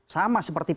sama seperti pak